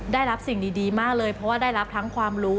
ได้รับสิ่งดีมากเลยเพราะว่าได้รับทั้งความรู้